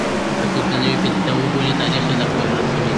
که څوک دا نوې پدیده وبولي، تاریخ یې رد کوي.